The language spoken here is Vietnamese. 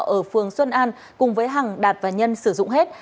ở phường xuân an cùng với hằng đạt và nhân sử dụng hết